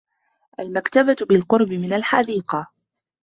المكتبة بالقرب من الحديقة.